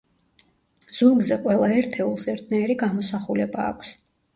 ზურგზე ყველა ერთეულს ერთნაირი გამოსახულება აქვს.